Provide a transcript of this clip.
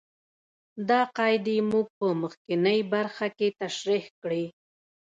دا قاعدې موږ په مخکینۍ برخه کې تشرېح کړې.